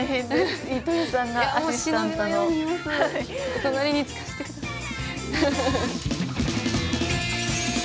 お隣につかせてください。